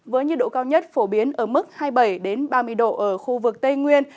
với nhiệt độ cao nhất phổ biến ở mức hai mươi bảy ba mươi độ ở khu vực tây nguyên